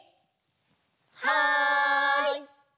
はい！